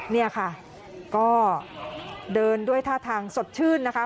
นี่ค่ะก็เดินด้วยท่าทางสดชื่นนะคะ